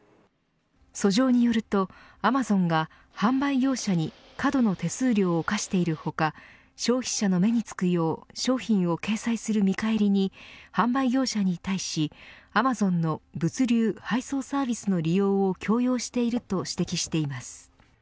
訴状によると、アマゾンが販売業者に過度の手数料を課している他消費者の目につくよう商品を掲載する見返りに販売業者に対しアマゾンの物流・配送サービスの利用を共用していると指摘しています。